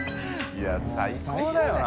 い最高だよな